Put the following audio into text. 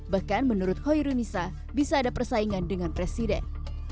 bahkan menurut hoirunisa bisa ada persaingan dengan presiden